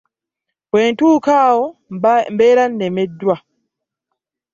Bwe ntuuka awo mbeera nnemeddwa.